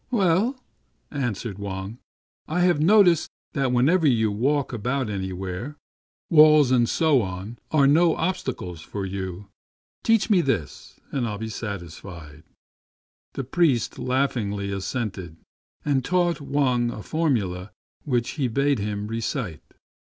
" Well," answered Wang, " I have noticed that whenever you walk about anywhere, walls and so on are no obstacle to you. Teach me this, and I'll be satisfied." The priest laughingly assented, and taught Wang a formula which he bade him recite.